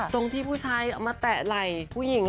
ตรงที่ผู้ชายเอามาแตะไหล่ผู้หญิง